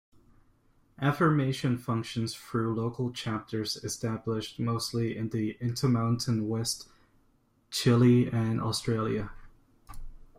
Affirmation functions through local chapters established mostly in the Inter-mountain West, Chile, and Australia.